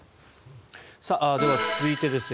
では、続いてです。